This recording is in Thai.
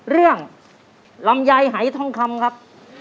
เรื่องลำยายหายทองคำครับ